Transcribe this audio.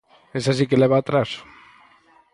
Esa si que leva atraso.